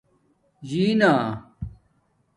جینہ